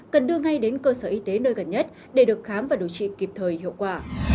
cần đưa ngay đến cơ sở y tế nơi gần nhất để được khám và điều trị kịp thời hiệu quả